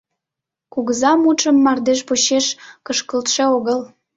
Кугыза мутшым мардеж почеш кышкылтше огыл.